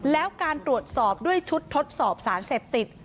แล้วการตรวจสอบด้วยชุดทดสอบสารเสพติด